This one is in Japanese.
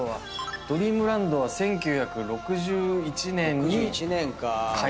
ドリームランドは１９６１年に開園して。